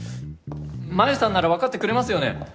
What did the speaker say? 真夢さんならわかってくれますよね？